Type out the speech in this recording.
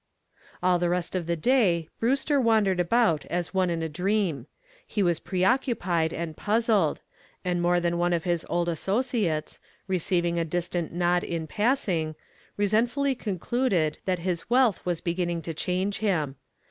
All the rest of the day Brewster wandered about as one in a dream. He was pre occupied and puzzled, and more than one of his old associates, receiving a distant nod in passing, resentfully concluded that his wealth was beginning to change him.